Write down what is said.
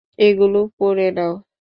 এগুলো পরে নাও।